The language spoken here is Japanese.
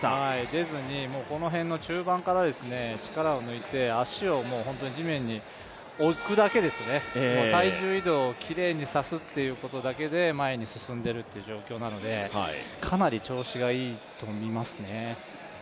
出ずにこの辺の中盤から力を抜いて足を地面に置くだけですね、体重移動をきれいにさすということだけで前に進んでいるという状況なので、かなり調子がいいと見ますね。